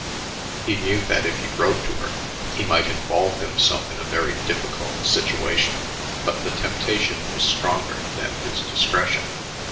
He knew that if he wrote to her he might involve himself in a very difficult situation, but the temptation was stronger than his discretion.